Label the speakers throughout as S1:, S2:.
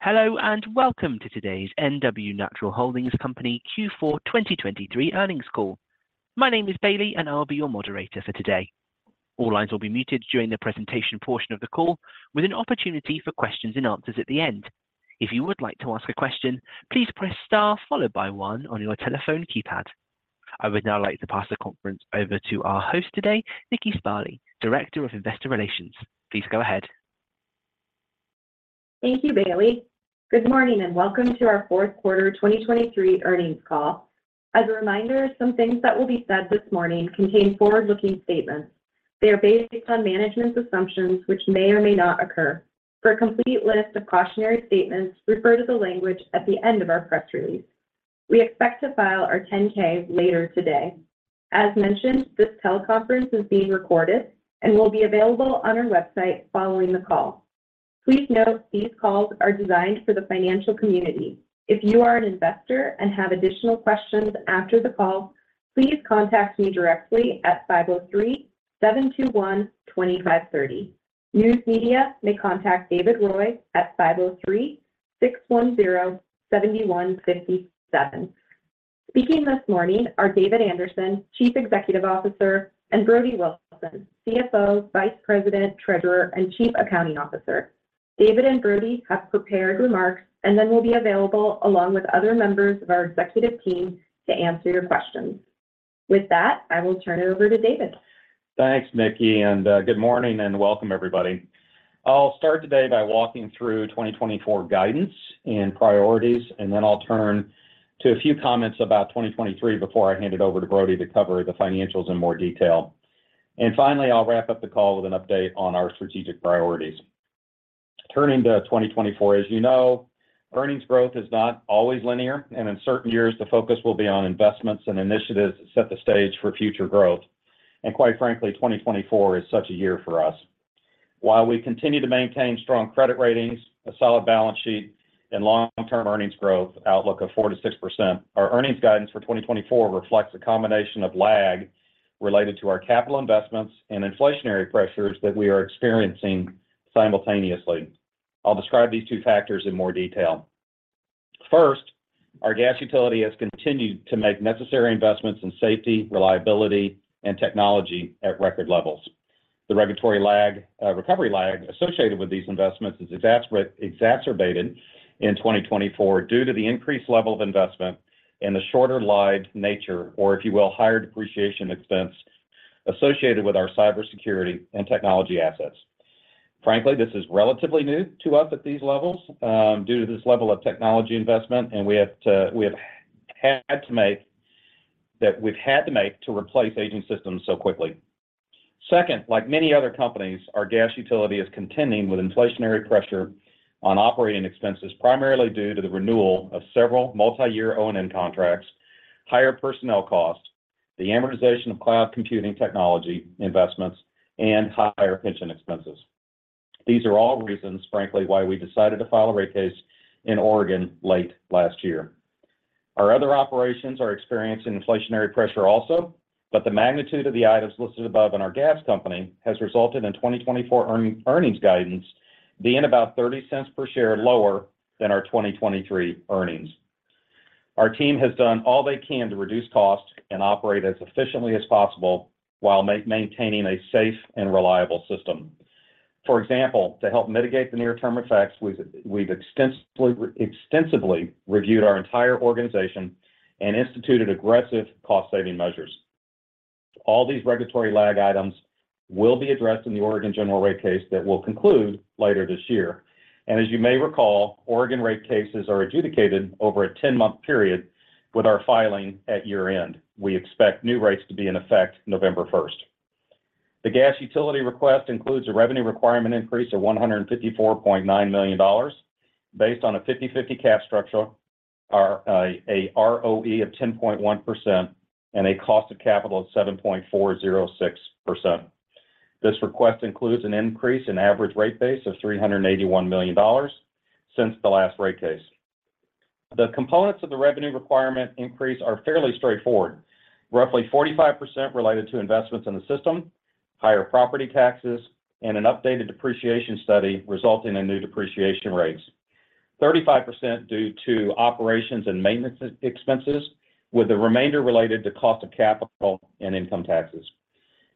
S1: Hello and welcome to today's Northwest Natural Holding Company Q4 2023 earnings call. My name is Bailey and I'll be your moderator for today. All lines will be muted during the presentation portion of the call, with an opportunity for questions and answers at the end. If you would like to ask a question, please press star followed by one on your telephone keypad. I would now like to pass the conference over to our host today, Nikki Sparley, Director of Investor Relations. Please go ahead.
S2: Thank you, Bailey. Good morning and welcome to our fourth quarter 2023 earnings call. As a reminder, some things that will be said this morning contain forward-looking statements. They are based on management's assumptions, which may or may not occur. For a complete list of cautionary statements, refer to the language at the end of our press release. We expect to file our 10-K later today. As mentioned, this teleconference is being recorded and will be available on our website following the call. Please note these calls are designed for the financial community. If you are an investor and have additional questions after the call, please contact me directly at 503-721-2530. News media may contact David Roy at 503-610-7157. Speaking this morning are David Anderson, Chief Executive Officer, and Brody Wilson, CFO, Vice President, Treasurer, and Chief Accounting Officer. David and Brody have prepared remarks and then will be available along with other members of our executive team to answer your questions. With that, I will turn it over to David.
S3: Thanks, Nikki, and good morning and welcome, everybody. I'll start today by walking through 2024 guidance and priorities, and then I'll turn to a few comments about 2023 before I hand it over to Brody to cover the financials in more detail. Finally, I'll wrap up the call with an update on our strategic priorities. Turning to 2024, as you know, earnings growth is not always linear, and in certain years, the focus will be on investments and initiatives that set the stage for future growth. Quite frankly, 2024 is such a year for us. While we continue to maintain strong credit ratings, a solid balance sheet, and long-term earnings growth outlook of 4%-6%, our earnings guidance for 2024 reflects a combination of lag related to our capital investments and inflationary pressures that we are experiencing simultaneously. I'll describe these two factors in more detail. First, our gas utility has continued to make necessary investments in safety, reliability, and technology at record levels. The regulatory recovery lag associated with these investments is exacerbated in 2024 due to the increased level of investment and the shorter-lived nature, or if you will, higher depreciation expense associated with our cybersecurity and technology assets. Frankly, this is relatively new to us at these levels due to this level of technology investment, and we have had to make that we've had to make to replace aging systems so quickly. Second, like many other companies, our gas utility is contending with inflationary pressure on operating expenses, primarily due to the renewal of several multi-year O&M contracts, higher personnel costs, the amortization of cloud computing technology investments, and higher pension expenses. These are all reasons, frankly, why we decided to file a rate case in Oregon late last year. Our other operations are experiencing inflationary pressure also, but the magnitude of the items listed above in our gas company has resulted in 2024 earnings guidance being about $0.30 per share lower than our 2023 earnings. Our team has done all they can to reduce costs and operate as efficiently as possible while maintaining a safe and reliable system. For example, to help mitigate the near-term effects, we've extensively reviewed our entire organization and instituted aggressive cost-saving measures. All these regulatory lag items will be addressed in the Oregon General Rate Case that will conclude later this year. As you may recall, Oregon rate cases are adjudicated over a 10-month period with our filing at year-end. We expect new rates to be in effect November 1st. The gas utility request includes a revenue requirement increase of $154.9 million based on a 50/50 cap structure, an ROE of 10.1%, and a cost of capital of 7.406%. This request includes an increase in average rate base of $381 million since the last rate case. The components of the revenue requirement increase are fairly straightforward, roughly 45% related to investments in the system, higher property taxes, and an updated depreciation study resulting in new depreciation rates, 35% due to operations and maintenance expenses, with the remainder related to cost of capital and income taxes.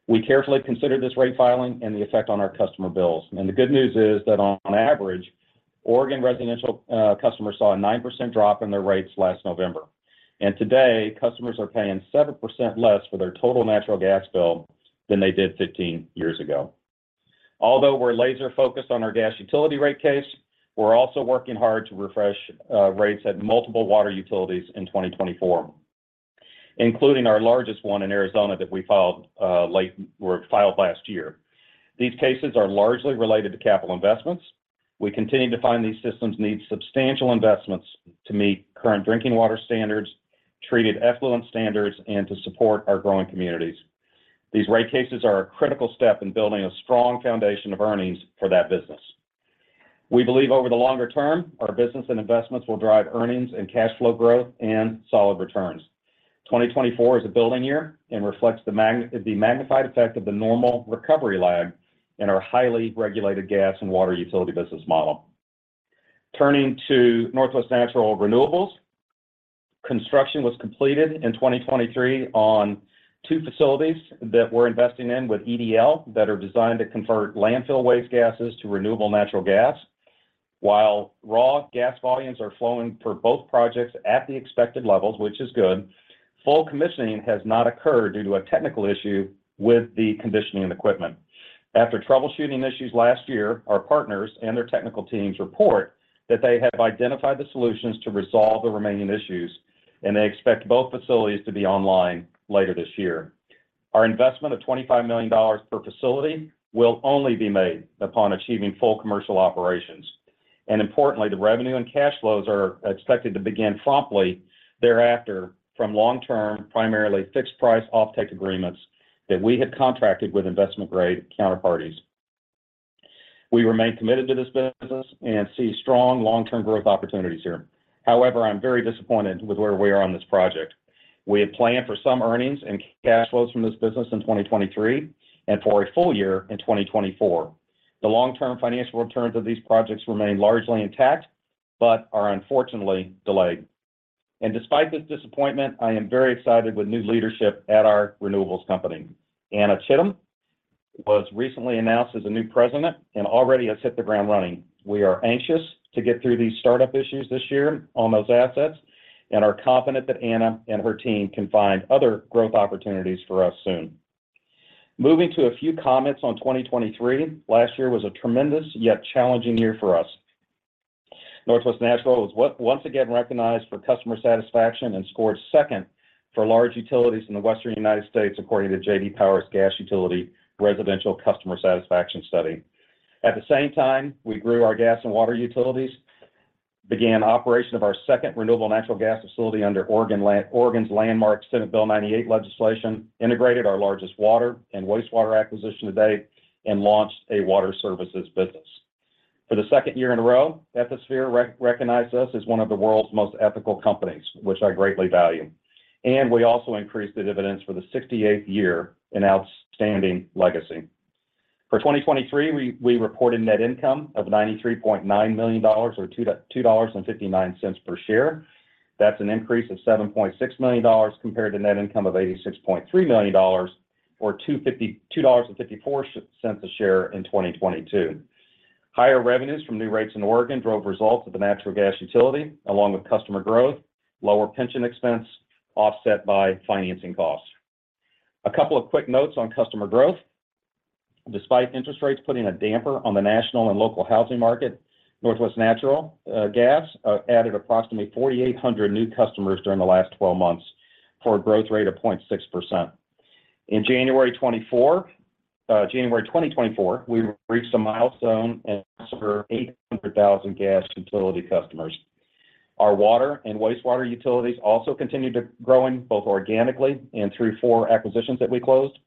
S3: We carefully considered this rate filing and the effect on our customer bills. The good news is that on average, Oregon residential customers saw a 9% drop in their rates last November. Today, customers are paying 7% less for their total natural gas bill than they did 15 years ago. Although we're laser-focused on our gas utility rate case, we're also working hard to refresh rates at multiple water utilities in 2024, including our largest one in Arizona that we filed last year. These cases are largely related to capital investments. We continue to find these systems need substantial investments to meet current drinking water standards, treated effluent standards, and to support our growing communities. These rate cases are a critical step in building a strong foundation of earnings for that business. We believe over the longer term, our business and investments will drive earnings and cash flow growth and solid returns. 2024 is a building year and reflects the magnified effect of the normal recovery lag in our highly regulated gas and water utility business model. Turning to Northwest Natural Renewables, construction was completed in 2023 on two facilities that we're investing in with EDL that are designed to convert landfill waste gases to renewable natural gas. While raw gas volumes are flowing for both projects at the expected levels, which is good, full commissioning has not occurred due to a technical issue with the conditioning and equipment. After troubleshooting issues last year, our partners and their technical teams report that they have identified the solutions to resolve the remaining issues, and they expect both facilities to be online later this year. Our investment of $25 million per facility will only be made upon achieving full commercial operations. And importantly, the revenue and cash flows are expected to begin promptly thereafter from long-term, primarily fixed-price offtake agreements that we have contracted with investment-grade counterparties. We remain committed to this business and see strong long-term growth opportunities here. However, I'm very disappointed with where we are on this project. We have planned for some earnings and cash flows from this business in 2023 and for a full year in 2024. The long-term financial returns of these projects remain largely intact but are unfortunately delayed. Despite this disappointment, I am very excited with new leadership at our renewables company. Anna Chittum was recently announced as the new President and already has hit the ground running. We are anxious to get through these startup issues this year on those assets and are confident that Anna and her team can find other growth opportunities for us soon. Moving to a few comments on 2023, last year was a tremendous yet challenging year for us. Northwest Natural was once again recognized for customer satisfaction and scored second for large utilities in the western United States, according to J.D. Power's Gas Utility Residential Customer Satisfaction Study. At the same time, we grew our gas and water utilities, began operation of our second renewable natural gas facility under Oregon's landmark Senate Bill 98 legislation, integrated our largest water and wastewater acquisition to date, and launched a water services business. For the second year in a row, Ethisphere recognized us as one of the world's most ethical companies, which I greatly value. We also increased the dividends for the 68th year in outstanding legacy. For 2023, we reported net income of $93.9 million or $2.59 per share. That's an increase of $7.6 million compared to net income of $86.3 million or $2.54 a share in 2022. Higher revenues from new rates in Oregon drove results at the natural gas utility, along with customer growth, lower pension expense offset by financing costs. A couple of quick notes on customer growth. Despite interest rates putting a damper on the national and local housing market, Northwest Natural Gas added approximately 4,800 new customers during the last 12 months for a growth rate of 0.6%. In January 2024, we reached a milestone and serve 800,000 gas utility customers. Our water and wastewater utilities also continued growing both organically and through four acquisitions that we closed.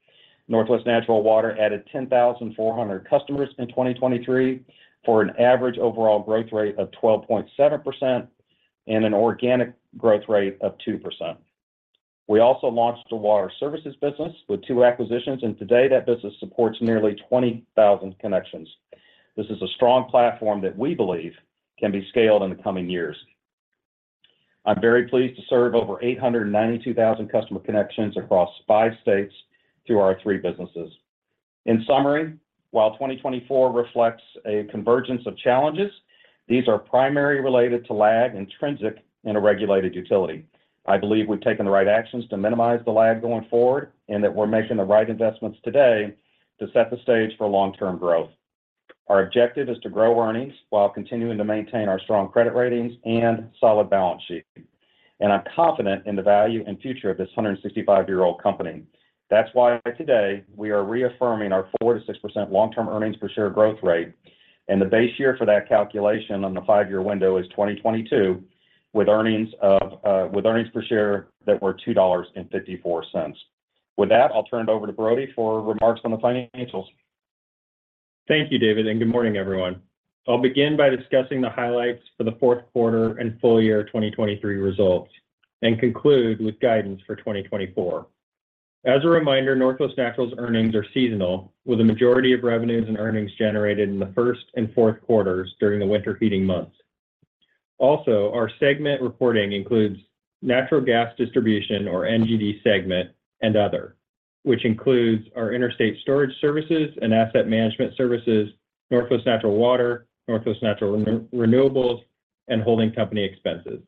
S3: Northwest Natural Water added 10,400 customers in 2023 for an average overall growth rate of 12.7% and an organic growth rate of 2%. We also launched a water services business with two acquisitions, and today that business supports nearly 20,000 connections. This is a strong platform that we believe can be scaled in the coming years. I'm very pleased to serve over 892,000 customer connections across five states through our three businesses. In summary, while 2024 reflects a convergence of challenges, these are primarily related to lag intrinsic in a regulated utility. I believe we've taken the right actions to minimize the lag going forward and that we're making the right investments today to set the stage for long-term growth. Our objective is to grow earnings while continuing to maintain our strong credit ratings and solid balance sheet. And I'm confident in the value and future of this 165-year-old company. That's why today we are reaffirming our 4%-6% long-term earnings per share growth rate, and the base year for that calculation on the 5-year window is 2022 with earnings per share that were $2.54. With that, I'll turn it over to Brody for remarks on the financials.
S4: Thank you, David, and good morning, everyone. I'll begin by discussing the highlights for the fourth quarter and full year 2023 results and conclude with guidance for 2024. As a reminder, Northwest Natural's earnings are seasonal, with the majority of revenues and earnings generated in the first and fourth quarters during the winter heating months. Also, our segment reporting includes natural gas distribution or NGD segment and other, which includes our interstate storage services and asset management services, Northwest Natural Water, Northwest Natural Renewables, and holding company expenses.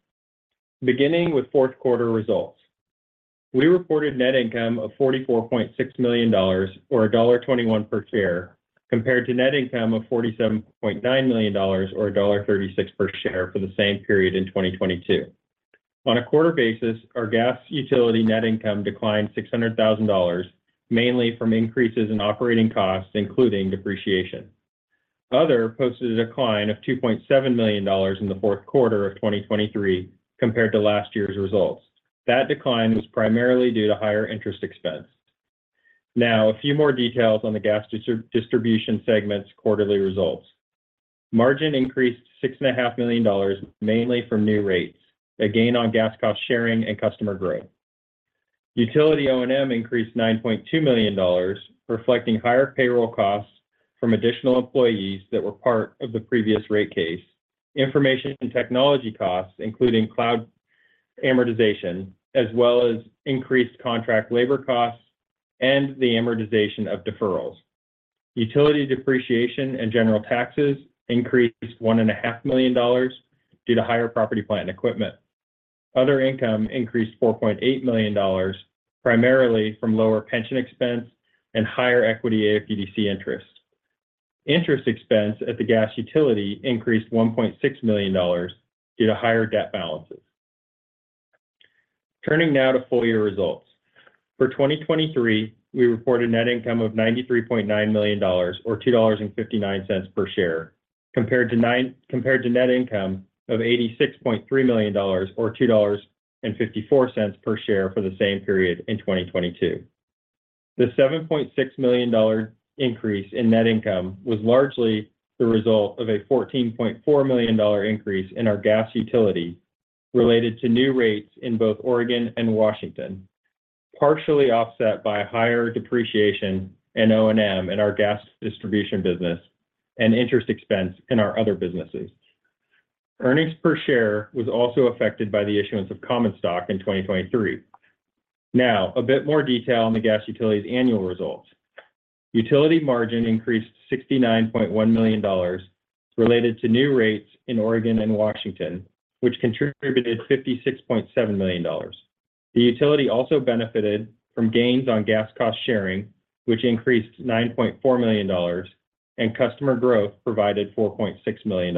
S4: Beginning with fourth quarter results, we reported net income of $44.6 million or $1.21 per share compared to net income of $47.9 million or $1.36 per share for the same period in 2022. On a quarter basis, our gas utility net income declined $600,000, mainly from increases in operating costs, including depreciation. Other posted a decline of $2.7 million in the fourth quarter of 2023 compared to last year's results. That decline was primarily due to higher interest expense. Now, a few more details on the gas distribution segment's quarterly results. Margin increased $6.5 million, mainly from new rates, a gain on gas cost sharing and customer growth. Utility O&M increased $9.2 million, reflecting higher payroll costs from additional employees that were part of the previous rate case, information and technology costs, including cloud amortization, as well as increased contract labor costs and the amortization of deferrals. Utility depreciation and general taxes increased $1.5 million due to higher property plant and equipment. Other income increased $4.8 million, primarily from lower pension expense and higher equity AFUDC interest. Interest expense at the gas utility increased $1.6 million due to higher debt balances. Turning now to full year results. For 2023, we reported net income of $93.9 million or $2.59 per share compared to net income of $86.3 million or $2.54 per share for the same period in 2022. The $7.6 million increase in net income was largely the result of a $14.4 million increase in our gas utility related to new rates in both Oregon and Washington, partially offset by higher depreciation and O&M in our gas distribution business and interest expense in our other businesses. Earnings per share was also affected by the issuance of common stock in 2023. Now, a bit more detail on the gas utility's annual results. Utility margin increased $69.1 million related to new rates in Oregon and Washington, which contributed $56.7 million. The utility also benefited from gains on gas cost sharing, which increased $9.4 million, and customer growth provided $4.6 million.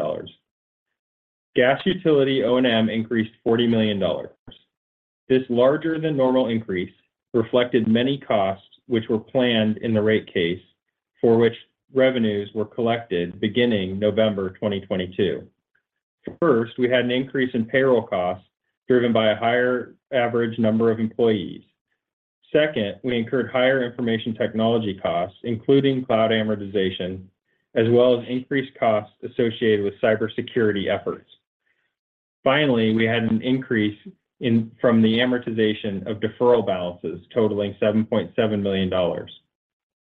S4: Gas utility O&M increased $40 million. This larger-than-normal increase reflected many costs which were planned in the rate case, for which revenues were collected beginning November 2022. First, we had an increase in payroll costs driven by a higher average number of employees. Second, we incurred higher information technology costs, including cloud amortization, as well as increased costs associated with cybersecurity efforts. Finally, we had an increase from the amortization of deferral balances totaling $7.7 million.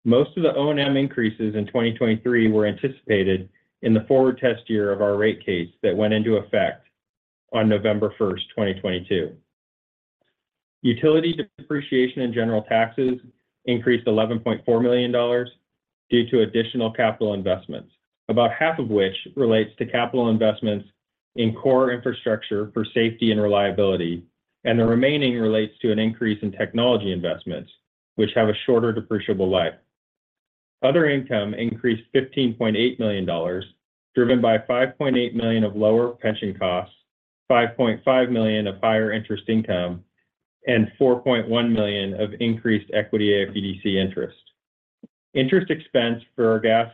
S4: Most of the O&M increases in 2023 were anticipated in the forward test year of our rate case that went into effect on November 1st, 2022. Utility depreciation and general taxes increased $11.4 million due to additional capital investments, about half of which relates to capital investments in core infrastructure for safety and reliability, and the remaining relates to an increase in technology investments, which have a shorter depreciable life. Other income increased $15.8 million driven by $5.8 million of lower pension costs, $5.5 million of higher interest income, and $4.1 million of increased equity AFUDC interest. Interest expense for our gas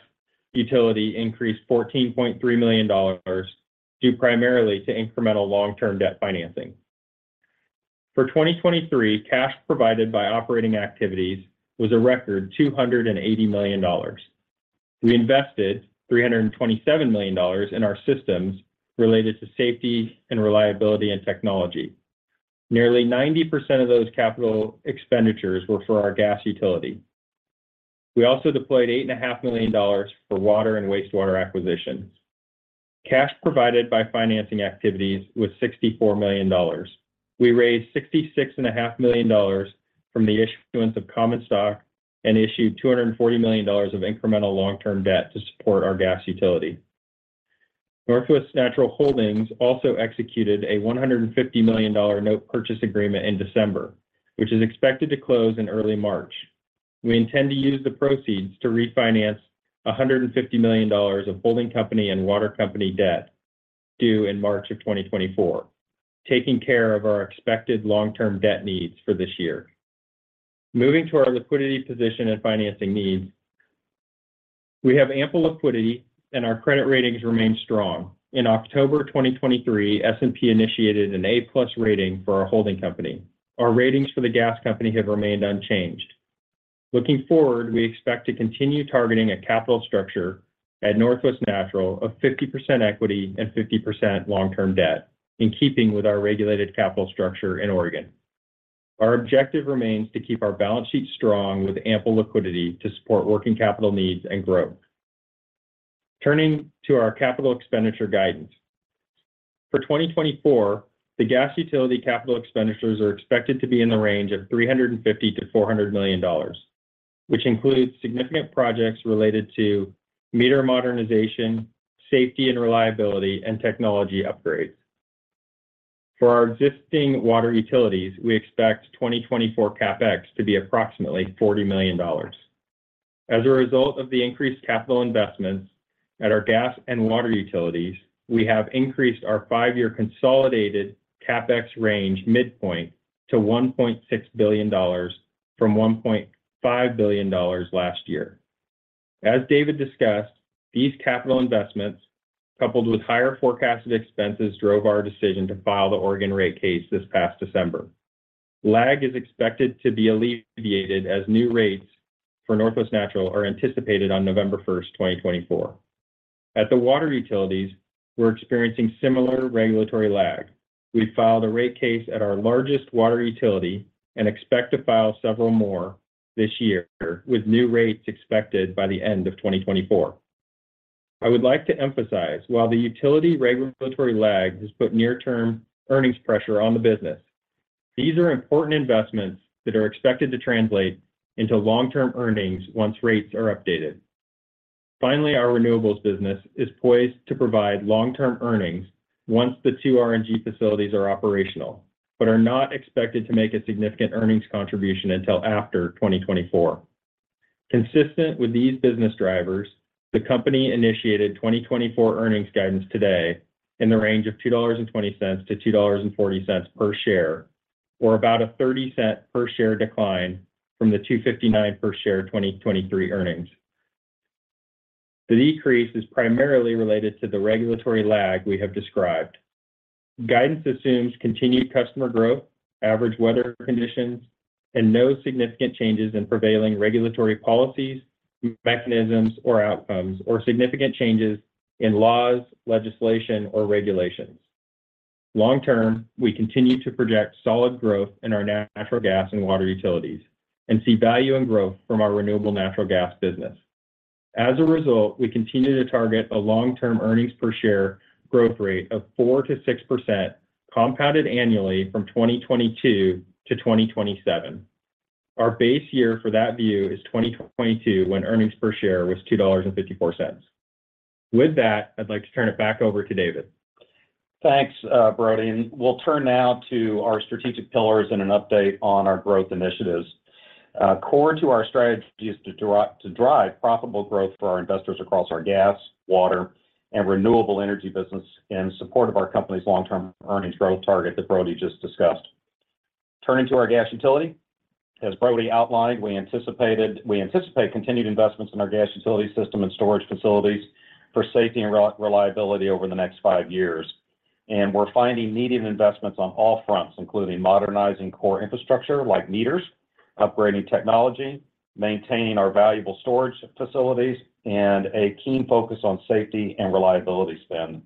S4: utility increased $14.3 million due primarily to incremental long-term debt financing. For 2023, cash provided by operating activities was a record $280 million. We invested $327 million in our systems related to safety and reliability and technology. Nearly 90% of those capital expenditures were for our gas utility. We also deployed $8.5 million for water and wastewater acquisitions. Cash provided by financing activities was $64 million. We raised $66.5 million from the issuance of common stock and issued $240 million of incremental long-term debt to support our gas utility. Northwest Natural Holding also executed a $150 million note purchase agreement in December, which is expected to close in early March. We intend to use the proceeds to refinance $150 million of holding company and water company debt due in March of 2024, taking care of our expected long-term debt needs for this year. Moving to our liquidity position and financing needs, we have ample liquidity, and our credit ratings remain strong. In October 2023, S&P initiated an A-plus rating for our holding company. Our ratings for the gas company have remained unchanged. Looking forward, we expect to continue targeting a capital structure at Northwest Natural of 50% equity and 50% long-term debt, in keeping with our regulated capital structure in Oregon. Our objective remains to keep our balance sheet strong with ample liquidity to support working capital needs and growth. Turning to our capital expenditure guidance. For 2024, the gas utility capital expenditures are expected to be in the range of $350 million-$400 million, which includes significant projects related to meter modernization, safety and reliability, and technology upgrades. For our existing water utilities, we expect 2024 CapEx to be approximately $40 million. As a result of the increased capital investments at our gas and water utilities, we have increased our five-year consolidated CapEx range midpoint to $1.6 billion from $1.5 billion last year. As David discussed, these capital investments, coupled with higher forecasted expenses, drove our decision to file the Oregon rate case this past December. Lag is expected to be alleviated as new rates for Northwest Natural are anticipated on November 1st, 2024. At the water utilities, we're experiencing similar regulatory lag. We've filed a rate case at our largest water utility and expect to file several more this year, with new rates expected by the end of 2024. I would like to emphasize, while the utility regulatory lag has put near-term earnings pressure on the business, these are important investments that are expected to translate into long-term earnings once rates are updated. Finally, our renewables business is poised to provide long-term earnings once the two RNG facilities are operational, but are not expected to make a significant earnings contribution until after 2024. Consistent with these business drivers, the company initiated 2024 earnings guidance today in the range of $2.20-$2.40 per share, or about a $0.30 per share decline from the $2.59 per share 2023 earnings. The decrease is primarily related to the regulatory lag we have described. Guidance assumes continued customer growth, average weather conditions, and no significant changes in prevailing regulatory policies, mechanisms, or outcomes, or significant changes in laws, legislation, or regulations. Long-term, we continue to project solid growth in our natural gas and water utilities and see value and growth from our renewable natural gas business. As a result, we continue to target a long-term earnings per share growth rate of 4%-6% compounded annually from 2022 to 2027. Our base year for that view is 2022, when earnings per share was $2.54. With that, I'd like to turn it back over to David.
S3: Thanks, Brody. And we'll turn now to our strategic pillars and an update on our growth initiatives. Core to our strategy is to drive profitable growth for our investors across our gas, water, and renewable energy business in support of our company's long-term earnings growth target that Brody just discussed. Turning to our gas utility, as Brody outlined, we anticipate continued investments in our gas utility system and storage facilities for safety and reliability over the next five years. And we're finding needed investments on all fronts, including modernizing core infrastructure like meters, upgrading technology, maintaining our valuable storage facilities, and a keen focus on safety and reliability spend.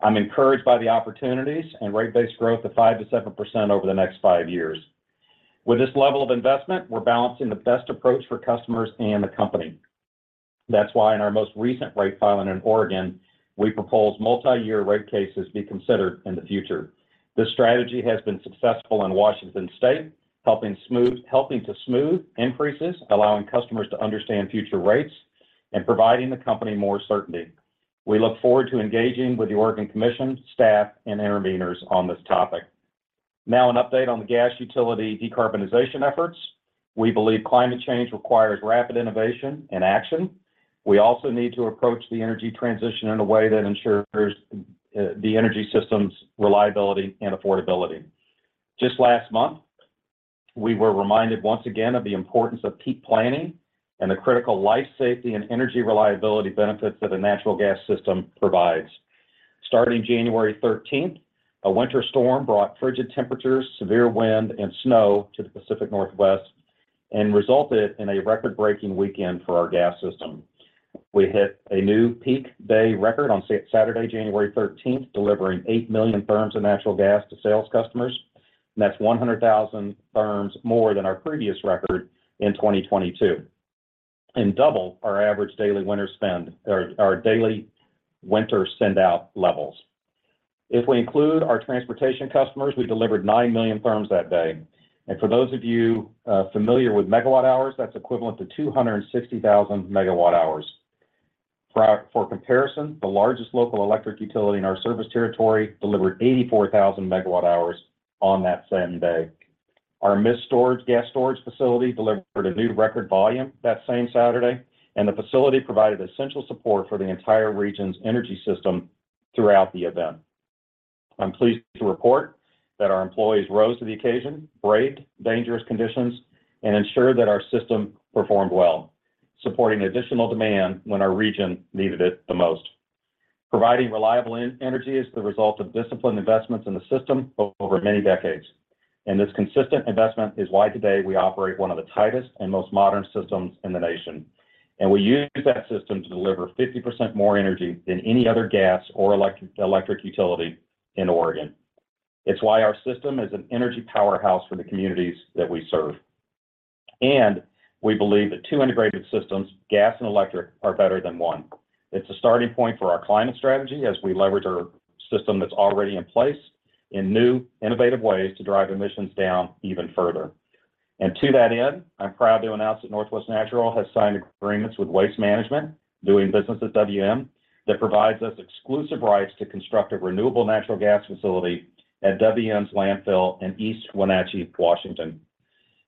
S3: I'm encouraged by the opportunities and rate base growth of 5%-7% over the next five years. With this level of investment, we're balancing the best approach for customers and the company. That's why, in our most recent rate filing in Oregon, we propose multi-year rate cases be considered in the future. This strategy has been successful in Washington State, helping to smooth increases, allowing customers to understand future rates, and providing the company more certainty. We look forward to engaging with the Oregon Commission staff and intervenors on this topic. Now, an update on the gas utility decarbonization efforts. We believe climate change requires rapid innovation and action. We also need to approach the energy transition in a way that ensures the energy system's reliability and affordability. Just last month, we were reminded once again of the importance of peak planning and the critical life safety and energy reliability benefits that a natural gas system provides. Starting January 13th, a winter storm brought frigid temperatures, severe wind, and snow to the Pacific Northwest and resulted in a record-breaking weekend for our gas system. We hit a new peak day record on Saturday, January 13th, delivering 8 million therms of natural gas to sales customers. That's 100,000 therms more than our previous record in 2022 and double our average daily winter spend or our daily winter send-out levels. If we include our transportation customers, we delivered 9 million therms that day. For those of you familiar with megawatt hours, that's equivalent to 260,000 megawatt hours. For comparison, the largest local electric utility in our service territory delivered 84,000 megawatt hours on that same day. Our Mist gas storage facility delivered a new record volume that same Saturday, and the facility provided essential support for the entire region's energy system throughout the event. I'm pleased to report that our employees rose to the occasion, braved dangerous conditions, and ensured that our system performed well, supporting additional demand when our region needed it the most. Providing reliable energy is the result of disciplined investments in the system over many decades. This consistent investment is why today we operate one of the tightest and most modern systems in the nation. We use that system to deliver 50% more energy than any other gas or electric utility in Oregon. It's why our system is an energy powerhouse for the communities that we serve. We believe that two integrated systems, gas and electric, are better than one. It's a starting point for our climate strategy as we leverage our system that's already in place in new, innovative ways to drive emissions down even further. To that end, I'm proud to announce that Northwest Natural has signed agreements with Waste Management, doing business as WM, that provides us exclusive rights to construct a renewable natural gas facility at WM's landfill in East Wenatchee, Washington.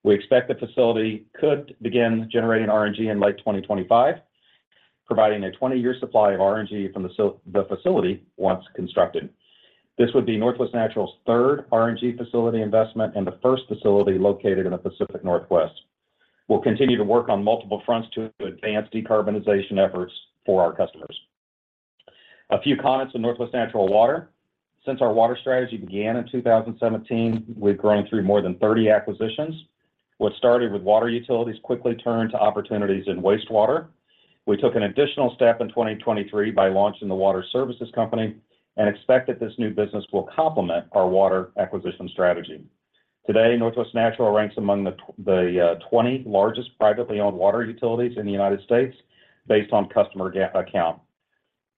S3: We expect the facility could begin generating RNG in late 2025, providing a 20-year supply of RNG from the facility once constructed. This would be Northwest Natural's third RNG facility investment and the first facility located in the Pacific Northwest. We'll continue to work on multiple fronts to advance decarbonization efforts for our customers. A few comments on Northwest Natural Water. Since our water strategy began in 2017, we've grown through more than 30 acquisitions. What started with water utilities quickly turned to opportunities in wastewater. We took an additional step in 2023 by launching the Water Services Company and expect that this new business will complement our water acquisition strategy. Today, Northwest Natural ranks among the 20 largest privately owned water utilities in the United States based on customer account.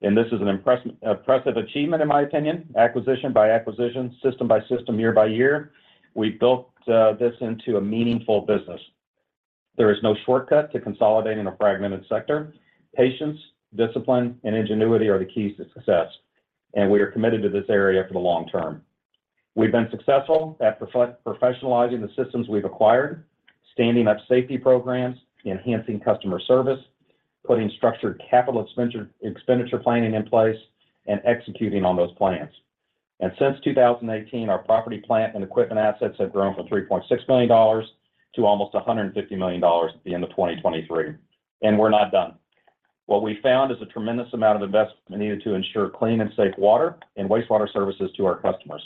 S3: And this is an impressive achievement, in my opinion. Acquisition by acquisition, system by system, year by year, we've built this into a meaningful business. There is no shortcut to consolidating a fragmented sector. Patience, discipline, and ingenuity are the keys to success. And we are committed to this area for the long term. We've been successful at professionalizing the systems we've acquired, standing up safety programs, enhancing customer service, putting structured capital expenditure planning in place, and executing on those plans. And since 2018, our property, plant, and equipment assets have grown from $3.6 million to almost $150 million at the end of 2023. And we're not done. What we found is a tremendous amount of investment needed to ensure clean and safe water and wastewater services to our customers.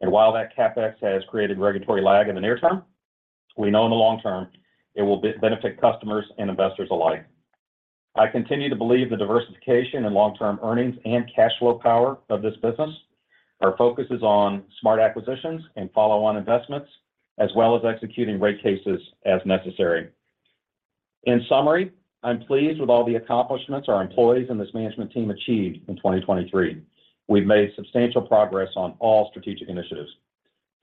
S3: And while that CapEx has created regulatory lag in the near term, we know in the long term, it will benefit customers and investors alike. I continue to believe the diversification in long-term earnings and cash flow power of this business. Our focus is on smart acquisitions and follow-on investments, as well as executing rate cases as necessary. In summary, I'm pleased with all the accomplishments our employees and this management team achieved in 2023. We've made substantial progress on all strategic initiatives.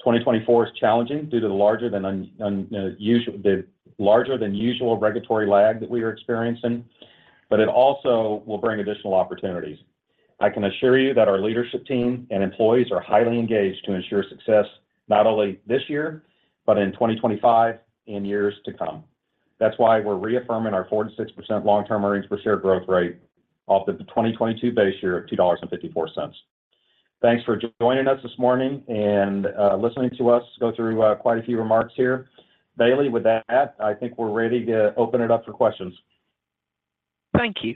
S3: 2024 is challenging due to the larger than usual regulatory lag that we are experiencing, but it also will bring additional opportunities.
S5: I can assure you that our leadership team and employees are highly engaged to ensure success not only this year, but in 2025 and years to come. That's why we're reaffirming our 4%-6% long-term earnings per share growth rate off the 2022 base year of $2.54. Thanks for joining us this morning and listening to us go through quite a few remarks here. Bailey, with that, I think we're ready to open it up for questions.
S1: Thank you.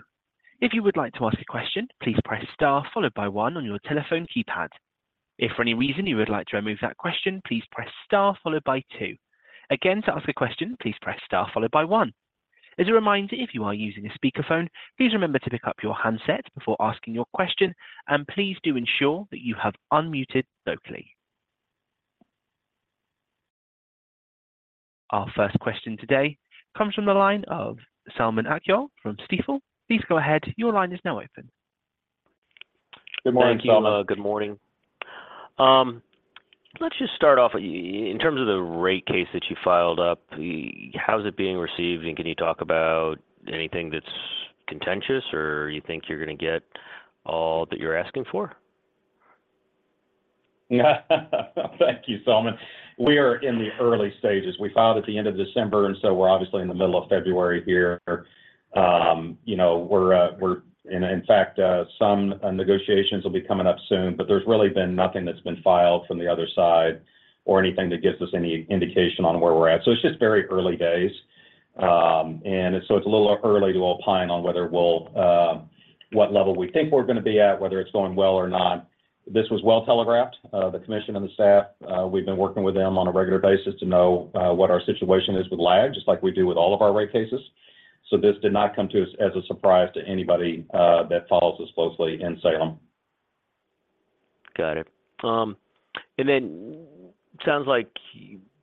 S1: If you would like to ask a question, please press Star followed by one on your telephone keypad. If for any reason you would like to remove that question, please press Star followed by two. Again, to ask a question, please press Star followed by one. As a reminder, if you are using a speakerphone, please remember to pick up your handset before asking your question, and please do ensure that you have unmuted locally. Our first question today comes from the line of Selman Akyol from Stifel. Please go ahead. Your line is now open.
S3: Good morning, Salman.
S6: Thank you. Good morning. Let's just start off. In terms of the rate case that you filed up, how's it being received? Can you talk about anything that's contentious, or you think you're going to get all that you're asking for?
S3: Thank you, Salman. We are in the early stages. We filed at the end of December, and so we're obviously in the middle of February here. In fact, some negotiations will be coming up soon, but there's really been nothing that's been filed from the other side or anything that gives us any indication on where we're at. It's just very early days. It's a little early to opine on what level we think we're going to be at, whether it's going well or not. This was well telegraphed. The commission and the staff, we've been working with them on a regular basis to know what our situation is with lag, just like we do with all of our rate cases. This did not come to us as a surprise to anybody that follows us closely in Salem.
S6: Got it. And then it sounds like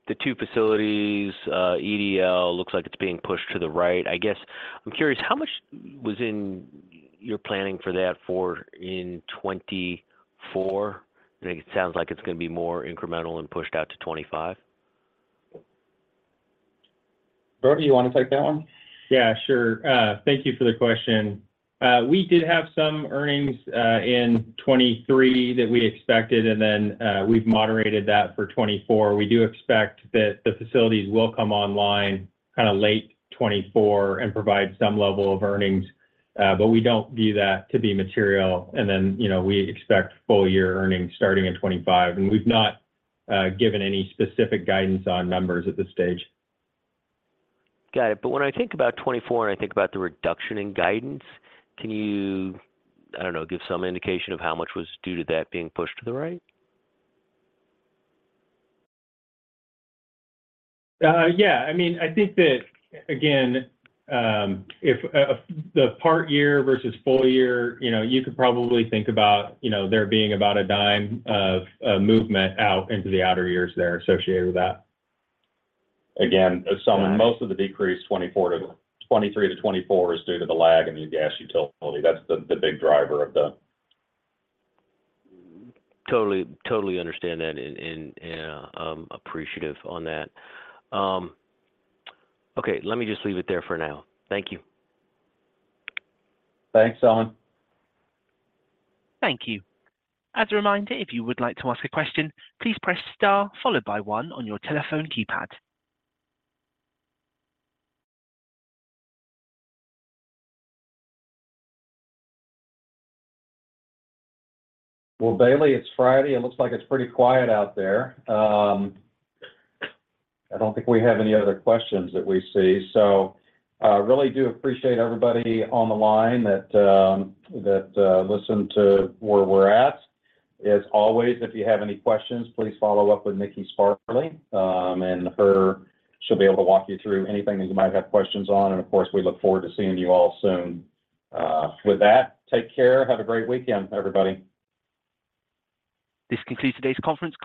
S6: the two facilities, EDL, looks like it's being pushed to the right. I guess I'm curious, how much was in your planning for that for in 2024? And it sounds like it's going to be more incremental and pushed out to 2025.
S3: Brody, you want to take that one?
S4: Yeah, sure. Thank you for the question. We did have some earnings in 2023 that we expected, and then we've moderated that for 2024. We do expect that the facilities will come online kind of late 2024 and provide some level of earnings, but we don't view that to be material. And then we expect full-year earnings starting in 2025. And we've not given any specific guidance on numbers at this stage.
S6: Got it. But when I think about 2024 and I think about the reduction in guidance, can you, I don't know, give some indication of how much was due to that being pushed to the right?
S4: Yeah. I mean, I think that, again, if the part year versus full year, you could probably think about there being about $0.10 of movement out into the outer years there associated with that.
S3: Again, Salman, most of the decrease 2023 to 2024 is due to the lag in the gas utility. That's the big driver of the.
S6: Totally understand that and appreciative on that. Okay. Let me just leave it there for now. Thank you.
S3: Thanks, Salman.
S1: Thank you. As a reminder, if you would like to ask a question, please press Star followed by one on your telephone keypad.
S3: Well, Bailey, it's Friday. It looks like it's pretty quiet out there. I don't think we have any other questions that we see. I really do appreciate everybody on the line that listened to where we're at. As always, if you have any questions, please follow up with Nikki Sparley, and she'll be able to walk you through anything that you might have questions on. Of course, we look forward to seeing you all soon. With that, take care. Have a great weekend, everybody.
S1: This concludes today's conference.